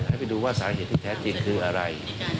ให้ไปดูว่าสาเหตุที่แท้จริงคืออะไร